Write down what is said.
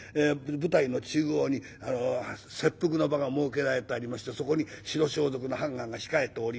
舞台の中央に切腹の場が設けられたりもしてそこに白装束の判官が控えておりましてね。